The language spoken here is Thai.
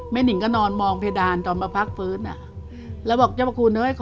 แม่นิ่งก็นอนมองเพดานตอนมาพักฟื้น